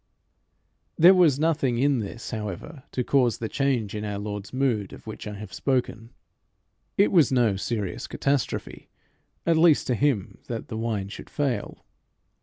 There was nothing in this however to cause the change in our Lord's mood of which I have spoken. It was no serious catastrophe, at least to him, that the wine should fail.